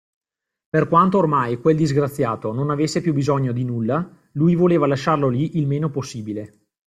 Per quanto, ormai, quel disgraziato non avesse più bisogno di nulla, lui voleva lasciarlo lì il meno possibile.